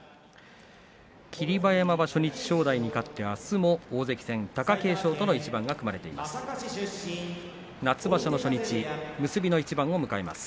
霧馬山が初日正代に勝ってあすも大関戦、貴景勝との一番が組まれています。